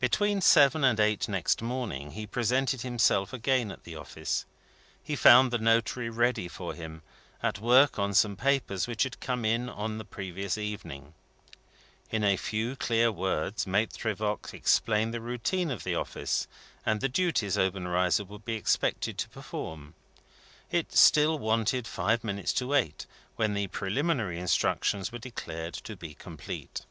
Between seven and eight next morning, he presented himself again at the office. He found the notary ready for him, at work on some papers which had come in on the previous evening. In a few clear words, Maitre Voigt explained the routine of the office, and the duties Obenreizer would be expected to perform. It still wanted five minutes to eight, when the preliminary instructions were declared to be complete.